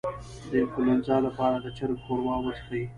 د انفلونزا لپاره د چرګ ښوروا وڅښئ